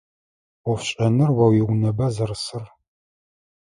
Ӏофшӏэныр о уиунэба зэрысыр?